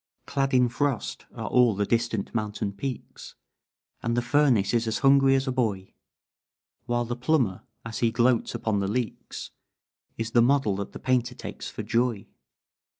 "Clad in frost are all the distant mountain peaks, And the furnace is as hungry as a boy; While the plumber, as he gloats upon the leaks, Is the model that the painter takes for 'Joy.'